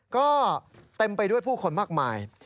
ก็เต็มไปด้วยผู้คนมากมาย